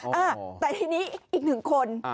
เอ้าแต่ที่นี่อีก๑คน